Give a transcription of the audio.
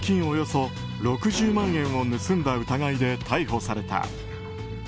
およそ６０万円を盗んだ疑いで逮捕された。